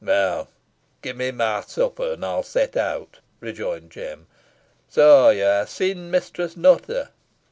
"Weel, gi' me mey supper, an ey'n set out," rejoined Jem. "So ye ha' seen Mistress Nutter?"